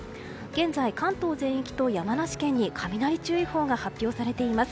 現在、関東全域と山梨県に雷注意報が発表されています。